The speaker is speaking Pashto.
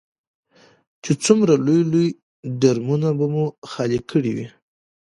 چې څومره لوی لوی ډرمونه به مو خالي کړي وي.